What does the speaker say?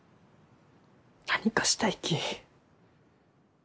何かしたいき。